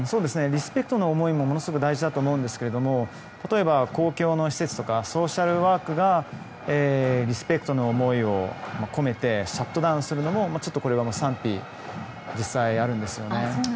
リスペクトの思いもものすごく大事だと思いますけど例えば、公共の施設とかソーシャルワークがリスペクトの思いを込めてシャットダウンするのも賛否が実際あるんですよね。